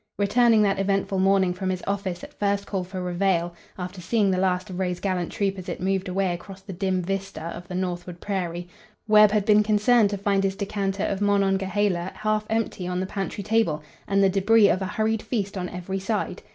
Returning that eventful morning from his office at first call for reveillé, after seeing the last of Ray's gallant troop as it moved away across the dim vista of the northward prairie, Webb had been concerned to find his decanter of Monongahela half empty on the pantry table and the débris of a hurried feast on every side.